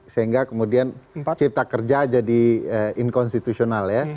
sehingga kemudian cipta kerja jadi inkonstitusional ya